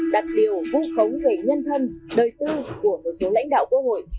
đặt điều vũ khống về nhân thân đời tư của một số lãnh đạo quốc hội